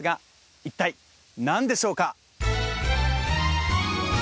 一体何でしょうか？